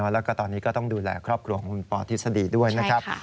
แล้วก็ตอนนี้ก็ต้องดูแลครอบครัวของคุณปอทฤษฎีด้วยนะครับ